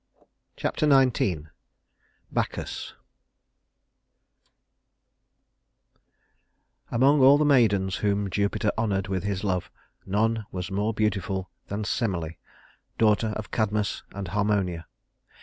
Chapter XIX Bacchus Among all the maidens whom Jupiter honored with his love, none was more beautiful than Semele, daughter of Cadmus and Harmonia.